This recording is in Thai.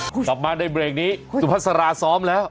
กลับมาในเบรกนี้สุภาษาซ้อมแล้ว